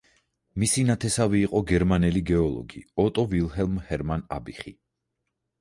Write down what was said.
მისი ნათესავი იყო გერმანელი გეოლოგი ოტო ვილჰელმ ჰერმან აბიხი.